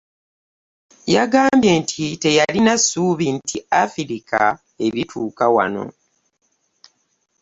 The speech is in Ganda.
Yagambye nti alina essuubi nti Afirika erituuka wano.